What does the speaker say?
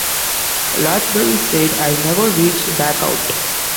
Lathbury said, I never reached back out.